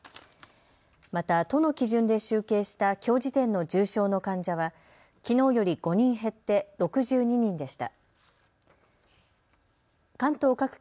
また都の基準で集計したきょう時点の重症の患者はきのうより５人減って６２人でした。